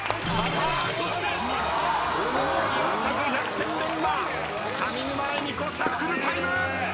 そして有無を言わさず百戦錬磨上沼恵美子シャッフルタイム！